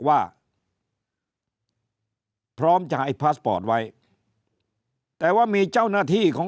ว่าพร้อมจะให้พาสปอร์ตไว้แต่ว่ามีเจ้าหน้าที่ของ